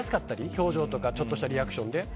表情やちょっとしたリアクションで。